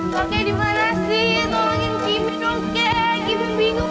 kakek dimana sih nolongin kimi dong kek